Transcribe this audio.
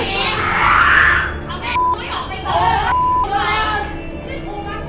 มันไม่มั่งไปนี่ครับ